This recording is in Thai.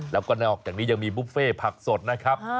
แล้วก็นอกจากนี้ยังมีบุฟเฟ่ผักสดนะครับ